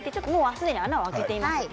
すでに穴を開けています。